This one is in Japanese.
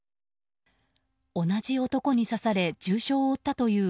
同じ男に刺され重傷を負ったという